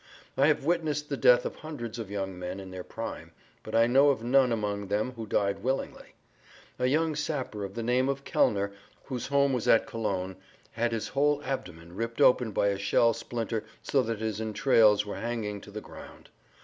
I have witnessed the death of hundreds of young men in their prime, but I know of none among them who died willingly. A young sapper of the name of Kellner, whose home was at Cologne, had his whole abdomen ripped open by a shell splinter so that his entrails were hanging to the ground.